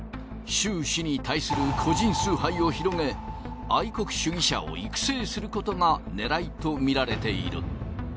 習氏に対する個人崇拝を広げ愛国主義者を育成することが狙いと見られている。